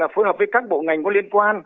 phối hợp với các bộ ngành có liên quan